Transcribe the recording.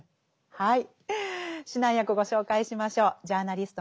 はい。